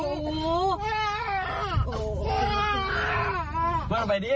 เว้ยมึงไปดี